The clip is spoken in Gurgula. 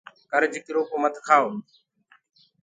ڪرج ڪرو ڪو مت کآئو